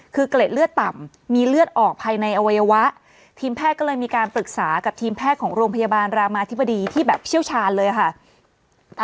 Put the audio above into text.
คือเกล็ดเลือดต่ำมีเลือดออกภายในอวัยวะทีมแพทย์ก็เลยมีการปรึกษากับทีมแพทย์ของโรงพยาบาลรามาธิบดีที่แบบเชี่ยวชาญเลยค่ะ